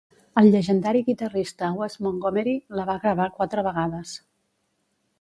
El llegendari guitarrista Wes Montgomery la va gravar quatre vegades.